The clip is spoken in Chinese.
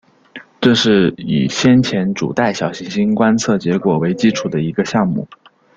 这是以先前主带小行星观测结果为基础的一个项目。